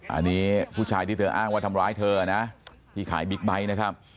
อันนี้ผู้ชายที่เธออ้างว่าทำร้ายเธอนะที่ขายบิ๊กไบท์นะครับ